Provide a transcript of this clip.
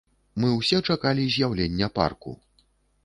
Мы ўсе чакалі з'яўлення парку.